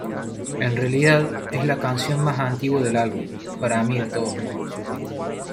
En realidad, es la canción más antigua del álbum, para mí de todos modos.